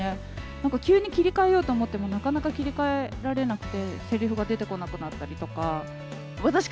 なんか急に切り替えようと思っても、なかなか切り替えられなくて、せりふが出てこなくなったりとか。